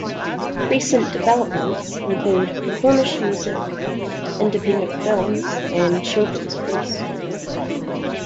Recent developments include Cornish music, independent films, and children's books.